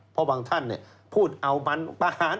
เพราะบางท่านพูดเอาประหาร